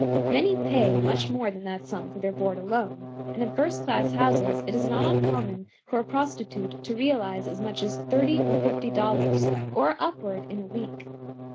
Many pay much more than that sum for their board alone, and in first class houses it is not uncommon for a prostitute to realize as much as thirty or fifty dollars, or upward, in a week.